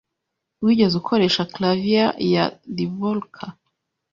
Wigeze ukoresha clavier ya Dvorak?